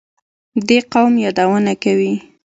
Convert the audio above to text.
دې قوم یادونه کوي.